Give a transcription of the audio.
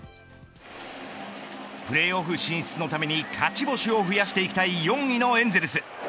プレーオフ進出のために勝ち星を増やしていきたい４位のエンゼルス。